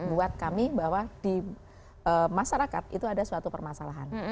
buat kami bahwa di masyarakat itu ada suatu permasalahan